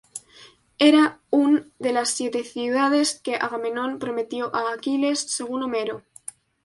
Era un de las siete ciudades que Agamenón prometió a Aquiles según Homero.